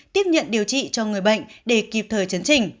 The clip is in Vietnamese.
tiếp nhận điều trị cho người bệnh để kịp thời chấn trình